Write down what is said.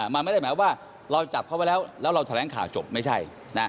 มันไม่ได้หมายว่าเราจับเขาไว้แล้วแล้วเราแถลงข่าวจบไม่ใช่